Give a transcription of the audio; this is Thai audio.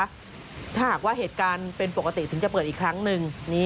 ถ้าหากว่าเหตุการณ์เป็นปกติถึงจะเปิดอีกครั้งหนึ่ง